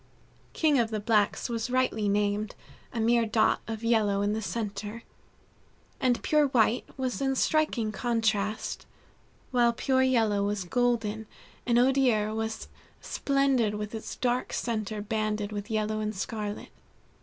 King of the Blacks was rightly named, a mere dot of yellow in the center, and Pure White was in striking contrast, while Pure Yellow was golden, and Odier was splendid with its dark center banded with yellow and scarlet.